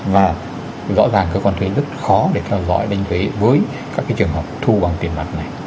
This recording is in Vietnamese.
và rõ ràng cơ quan thuế rất khó để theo dõi đánh thuế với các trường hợp thu bằng tiền mặt này